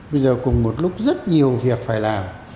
bây giờ cùng một lúc rất nhiều việc phải làm